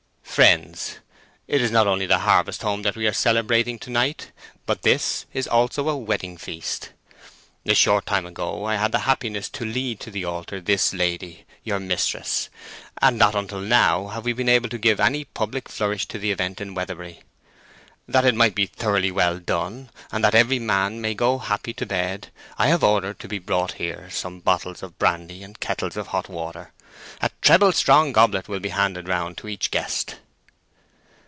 "Friends, it is not only the harvest home that we are celebrating to night; but this is also a Wedding Feast. A short time ago I had the happiness to lead to the altar this lady, your mistress, and not until now have we been able to give any public flourish to the event in Weatherbury. That it may be thoroughly well done, and that every man may go happy to bed, I have ordered to be brought here some bottles of brandy and kettles of hot water. A treble strong goblet will be handed round to each guest."